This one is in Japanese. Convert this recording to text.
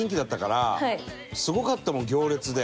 すごかったもん行列で。